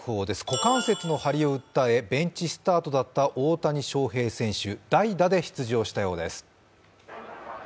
股関節の張りを訴えベンチスタートだった大谷翔平選手、代打で出場したようです。